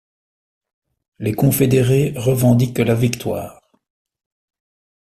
Les confédérés revendiquent la victoire.